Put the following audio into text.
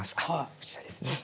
こちらですね。